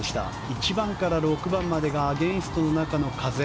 １番から６番までがアゲンストの中の風。